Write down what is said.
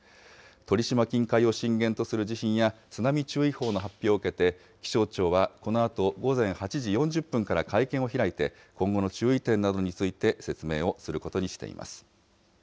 鳥島近海を震源とする地震や津波注意報の発表を受けて、気象庁はこのあと午前８時４０分から会見を開いて、今後の注意点などについて説明をすることにしています。